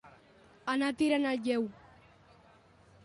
Anar tirant el lleu.